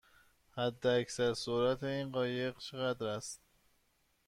حداکثر سرعت این قایق چقدر است؟